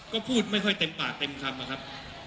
ก็พูดไม่ค่อยเต็มปากเต็มคำอะครับ